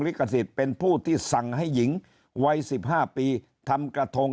ลิขสิทธิ์เป็นผู้ที่สั่งให้หญิงวัย๑๕ปีทำกระทง